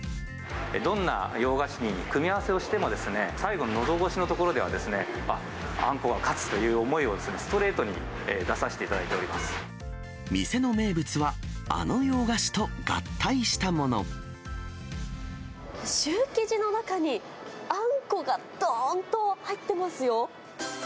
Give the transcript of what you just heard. どんな洋菓子に組み合わせをしてもですね、最後、のど越しの所では、あんこが勝つという思いをストレートに出させていただい店の名物は、シュー生地の中に、あんこがどーんと入ってますよ。